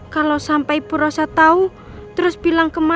kalau sampai ibu rosa tahu terus bilang ke mas al